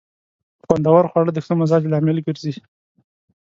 خوندور خواړه د ښه مزاج لامل ګرځي.